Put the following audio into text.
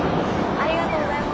ありがとうございます。